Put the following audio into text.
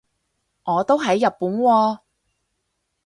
我都喺日本喎